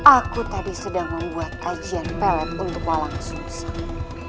aku tadi sedang membuat ajaran pelet untuk walang susah